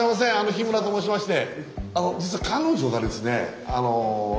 日村と申しまして。